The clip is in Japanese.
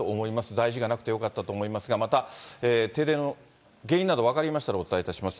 大事がなくてよかったと思いますが、また、停電の原因など分かりましたら、お伝えいたします。